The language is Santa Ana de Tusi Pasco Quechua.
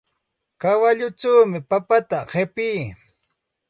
Kawalluchawmi papata qipii.